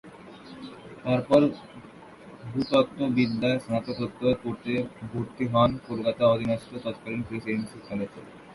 তারপর ভূতত্ববিদ্যায় স্নাতকোত্তর করতে ভরতি হন কলকাতা অধীনস্থ তৎকালীন প্রেসিডেন্সি কলেজে।